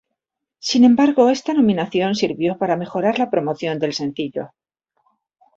Sin embargo, esta nominación sirvió para mejorar la promoción del sencillo.